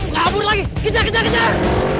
kabur lagi kejar kejar kejar